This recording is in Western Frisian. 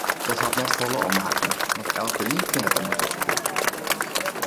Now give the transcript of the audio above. Dat hat net folle om ’e hakken, want elkenien kin dat ommers wol ferkeapje.